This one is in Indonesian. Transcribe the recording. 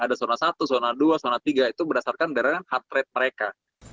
ada zona satu zona dua zona tiga itu berdasarkan daerah kan heart rate mereka